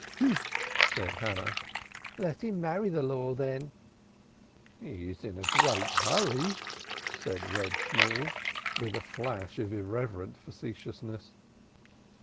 "H'm!" said Hannah. "Let him marry the Law, then." "He is in a hurry," said Reb Shemuel with a flash of irreverent facetiousness.